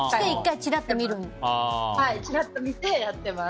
ちらっと見てやってます。